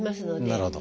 なるほど。